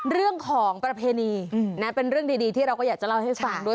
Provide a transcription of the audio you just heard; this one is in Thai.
เรื่องของประเพณีเป็นเรื่องดีที่เราก็อยากจะเล่าให้ฟังด้วย